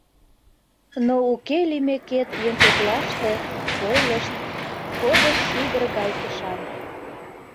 Но уке лиймекет еҥ коклаште, ойлышт: кодыш шӱдыр гай кышам.